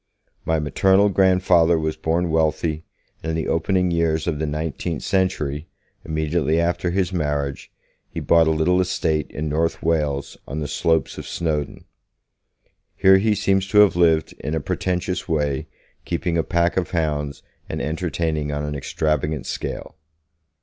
My maternal grandfather was born wealthy, and in the opening years of the nineteenth century, immediately after his marriage, he bought a little estate in North Wales, on the slopes of Snowdon. Here he seems to have lived in a pretentious way, keeping a pack of hounds and entertaining on an extravagant scale.